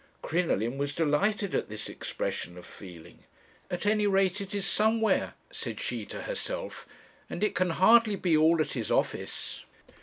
"Crinoline was delighted at this expression of feeling. 'At any rate it is somewhere,' said she to herself; 'and it can hardly be all at his office.'